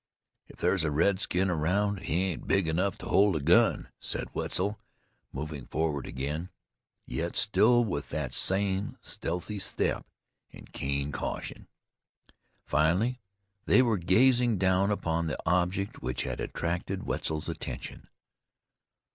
"If there's a redskin around he ain't big enough to hold a gun," said Wetzel, moving forward again, yet still with that same stealthy step and keen caution. Finally they were gazing down upon the object which had attracted Wetzel's attention.